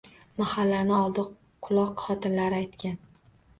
Mahallani oldi quloq xotinlari aytgan.